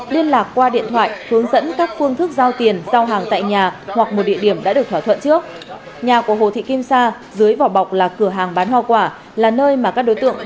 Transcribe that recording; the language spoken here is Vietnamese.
liên lạc qua điện thoại hướng dẫn các phương thức giao tiền giao hàng tại nhà hoặc một địa điểm đã được thỏa thuận trước